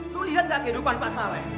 tuh lihat gak kehidupan pak saleh